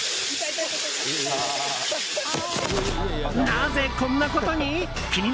なぜこんなことに？